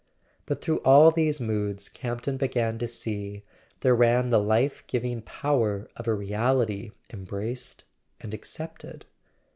But through all these moods, Campton began to see, there ran the life giving power of a reality em¬ braced and accepted.